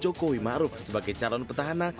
jokowi maruf sebagai calon petahana